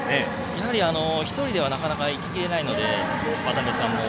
やはり、１人ではなかなかいききれないので渡邊さんも。